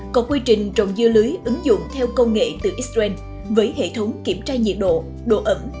còn quy trình trồng dưa lưới ứng dụng theo công nghệ từ israel với hệ thống kiểm tra nhiệt độ độ ẩm